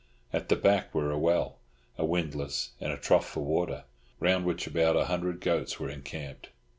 At the back were a well, a windlass, and a trough for water, round which about a hundred goats were encamped.